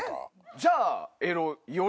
じゃあ。